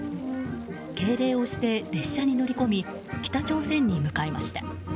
敬礼をして列車に乗り込み北朝鮮に向かいました。